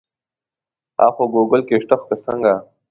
هغه خو ګوګل کې شته که څنګه.